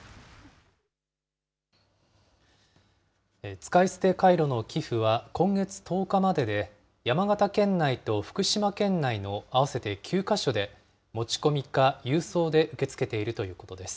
使い捨てカイロの寄付は、今月１０日までで、山形県内と福島県内の合わせて９か所で、持ち込みか郵送で受け付けているということです。